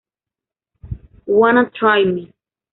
Wanna try me?